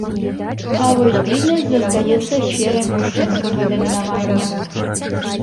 А вось бізнэс застаецца сферай мужчынскага дамінавання.